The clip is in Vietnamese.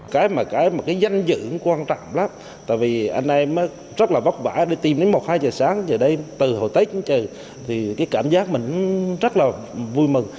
cái mà cái danh dự quan trọng lắm tại vì anh em rất là vóc vãi đi tìm đến một hai giờ sáng giờ đây từ hồi tết đến trời thì cái cảm giác mình rất là vui mừng